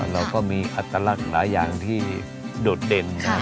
เราก็มีอัตลักษณ์หลายอย่างที่โดดเด่น